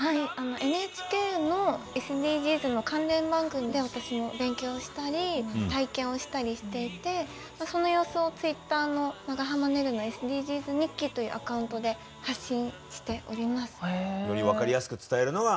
ＮＨＫのＳＤＧｓの関連番組で私も勉強したり体験をしたりしていてその様子をツイッターの「長濱ねるのＳＤＧｓ日記」というアカウントで発信しております。